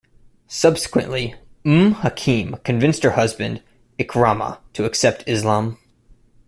Subsequently, Umm Hakim convinced her husband Ikramah to accept Islam.